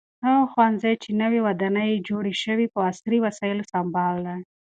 هغه ښوونځی چې نوې ودانۍ یې جوړه شوې په عصري وسایلو سمبال دی.